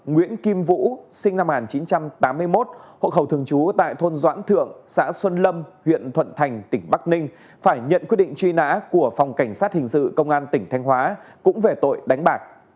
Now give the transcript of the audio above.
nguyễn kim vũ sinh năm một nghìn chín trăm tám mươi một hộ khẩu thường trú tại thôn doãn thượng xã xuân lâm huyện thuận thành tỉnh bắc ninh phải nhận quyết định truy nã của phòng cảnh sát hình sự công an tỉnh thanh hóa cũng về tội đánh bạc